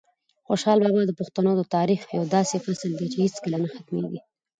خوشحال بابا د پښتنو د تاریخ یو داسې فصل دی چې هیڅکله نه ختمېږي.